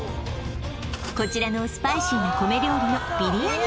こちらのスパイシーな米料理のビリヤニ